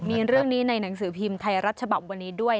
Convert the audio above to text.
มีเรื่องนี้ในหนังสือพิมพ์ไทยรัฐฉบับวันนี้ด้วย